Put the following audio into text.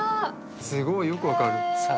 「すごい。よくわかる」